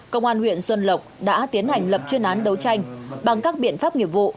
công an huyện xuân lộc đã tiến hành lập chuyên án đấu tranh bằng các biện pháp nghiệp vụ